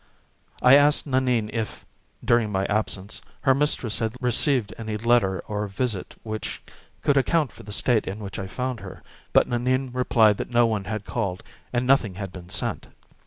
I asked Nanine if, during my absence, her mistress had received any letter or visit which could account for the state in which I found her, but Nanine replied that no one had called and nothing had been sent.